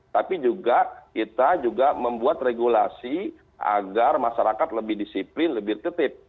tapi juga kita juga membuat regulasi agar masyarakat lebih disiplin lebih ketip